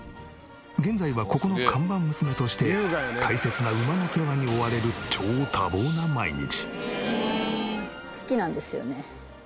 現在はここの看板娘として大切な馬の世話に追われる超多忙な毎日。